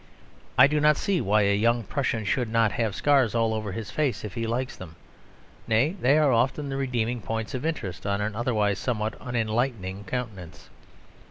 I do not see why a young Prussian should not have scars all over his face if he likes them; nay, they are often the redeeming points of interest on an otherwise somewhat unenlightening countenance.